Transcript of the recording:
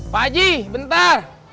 pak aji bentar